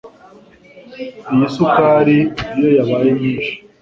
Iyi sukari iyo yabaye nyinshi